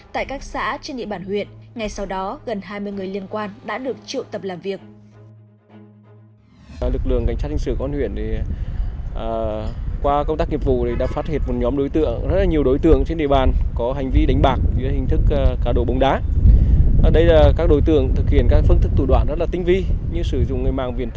tại các xã trên địa bàn huyện ngay sau đó gần hai mươi người liên quan đã được triệu tập làm việc